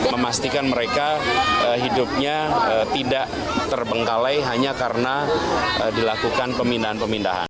memastikan mereka hidupnya tidak terbengkalai hanya karena dilakukan pemindahan pemindahan